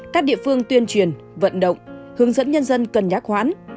các địa phương tuyên truyền vận động hướng dẫn nhân dân cần nhắc khoản